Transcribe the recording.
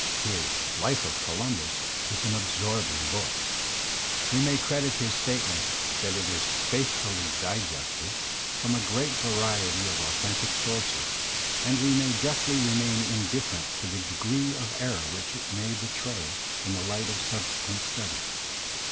His "Life of Columbus'* is an absorbing book. We may Pigitized by Google mVING 31 credit his statement that it is "faithfully digested" from a great variety of authentic sources, and we may justly re main indifferent to the degree of error which it may betray in the light of subsequent studies.